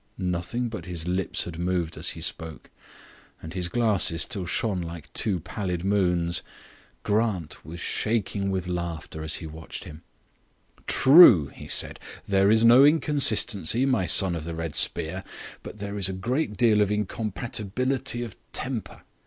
Nothing but his lips had moved as he spoke, and his glasses still shone like two pallid moons. Grant was shaking with laughter as he watched him. "True," he said, "there is no inconsistency, my son of the red spear. But there is a great deal of incompatibility of temper.